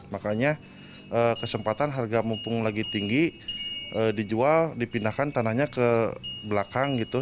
makanya kesempatan harga mumpung lagi tinggi dijual dipindahkan tanahnya ke belakang gitu